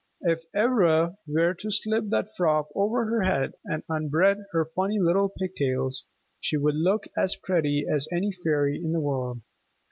If Ivra were to slip that frock over her head, and unbraid her funny little pigtails, she would look as pretty as any fairy in the world.